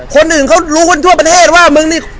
คนอื่นเขารู้กันทั่วประเทศว่ามึงนี่